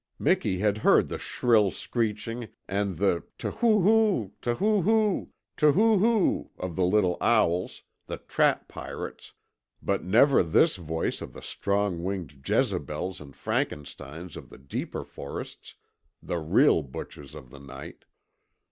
Miki had heard the shrill screeching and the TU WHO O O, TU WHO O O, TU WHO O O of the little owls, the trap pirates, but never this voice of the strong winged Jezebels and Frankensteins of the deeper forests the real butchers of the night.